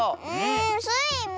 スイも！